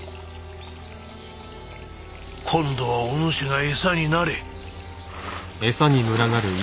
今度はお主が餌になれ。